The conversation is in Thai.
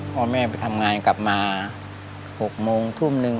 พ่อแม่ไปทำงานกลับมา๖โมงทุ่มนึง